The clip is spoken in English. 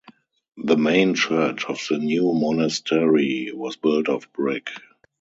The main church of the new monastery was built of brick.